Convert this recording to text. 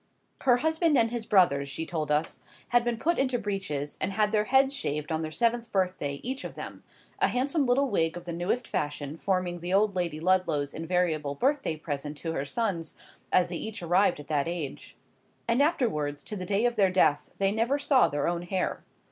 Her husband and his brothers, she told us, had been put into breeches, and had their heads shaved on their seventh birthday, each of them; a handsome little wig of the newest fashion forming the old Lady Ludlow's invariable birthday present to her sons as they each arrived at that age; and afterwards, to the day of their death, they never saw their own hair.